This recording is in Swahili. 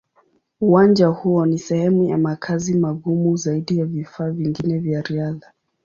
Uwanja huo ni sehemu ya makazi magumu zaidi ya vifaa vingine vya riadha.